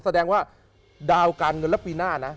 แสดงว่าดาวการเงินแล้วปีหน้านะ